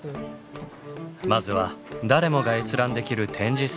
まずは誰もが閲覧できる展示スペースへ。